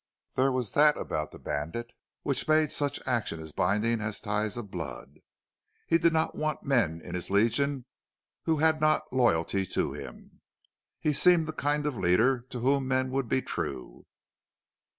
There was that about the bandit which made such action as binding as ties of blood. He did not want men in his Legion who had not loyalty to him. He seemed the kind of leader to whom men would be true.